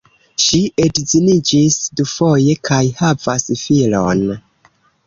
Ŝi edziniĝis dufoje kaj havas filon.